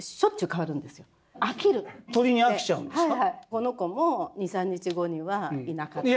この子も２３日後にはいなかったり。